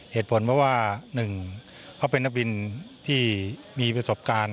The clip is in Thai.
เหตุผลว่า๑เขาเป็นนักบินที่มีประสบการณ์